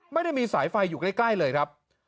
ไม่มีสายไฟอยู่ใกล้เลยครับ